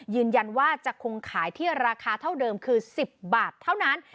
ยืนยันว่าจะคงขายที่ราคาเท่าเดิมคือ๑๐บาทเท่านั้น